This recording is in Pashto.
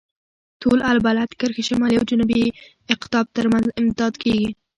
طول البلد کرښې شمالي او جنوبي اقطاب ترمنځ امتداد لري.